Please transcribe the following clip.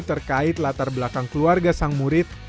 terkait latar belakang keluarga sang murid